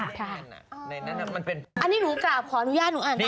อันนี้หนูกลับขออนุญาตหนูอ่านตรงนี้นะ